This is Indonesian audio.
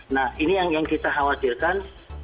nah ini yang kita khawatirkan